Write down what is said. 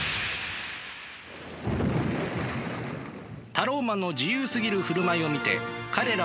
タローマンの自由すぎる振る舞いを見て彼らは思った。